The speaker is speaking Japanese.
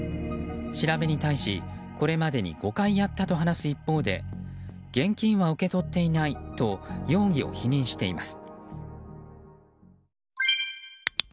調べに対し、これまでに５回やったと話す一方で現金は受け取っていないと容疑を否認しています。